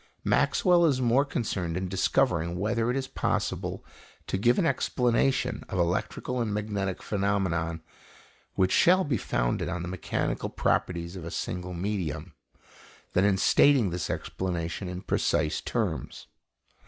Maxwell is more concerned in discovering whether it is possible to give an explanation of electrical and magnetic phenomena which shall be founded on the mechanical properties of a single medium, than in stating this explanation in precise terms.